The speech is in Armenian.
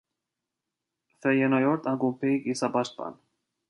«Ֆեյենոորդ» ակումբի կիսապաշտպան։